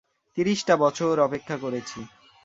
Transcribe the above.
তিরিশটা বছর অপেক্ষা করেছি।